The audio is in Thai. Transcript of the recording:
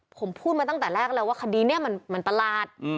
ผมพูดมาตั้งแต่แรกแล้วว่าคดีนี้มันประหลาด